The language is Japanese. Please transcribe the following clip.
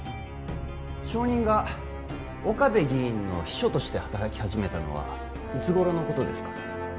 証人が岡部議員の秘書として働き始めたのはいつ頃のことですか？